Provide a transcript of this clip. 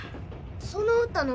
その歌何？